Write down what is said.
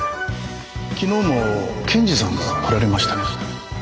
昨日も検事さんが来られましたけど。